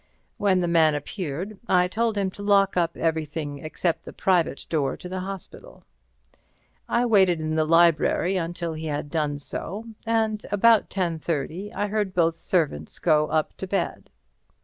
When the man appeared I told him to lock up everything except the private door to the hospital. I waited in the library until he had done so, and about 10:30 I heard both servants go up to bed.